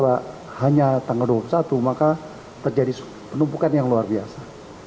kalau hanya tanggal dua puluh satu maka terjadi penumpukan yang luar biasa